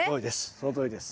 そのとおりです